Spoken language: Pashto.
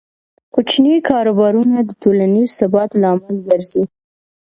کوچني کاروبارونه د ټولنیز ثبات لامل ګرځي.